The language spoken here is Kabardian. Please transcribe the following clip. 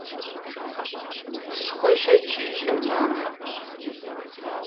Схуэшэчыжыркъым, мамэ.